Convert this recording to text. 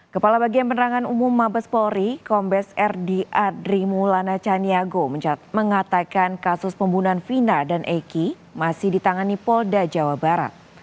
kepala bagian penerangan umum mabes polri kombes rd adrimulana caniago mengatakan kasus pembunuhan vina dan eki masih ditangani polda jawa barat